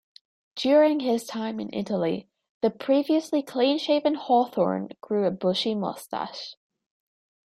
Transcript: During his time in Italy, the previously clean-shaven Hawthorne grew a bushy mustache.